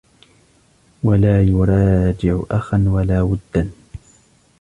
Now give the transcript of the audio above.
وَلَا يُرَاجِعُ أَخًا وَلَا وُدًّا